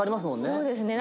「そうですね。